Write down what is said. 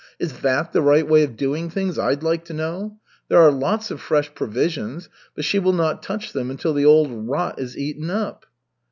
Is that the right way of doing things, I'd like to know. There are lots of fresh provisions, but she will not touch them until the old rot is eaten up."